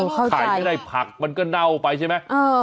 ขายเพียงในผักมันก็น่าวไปใช่ไหม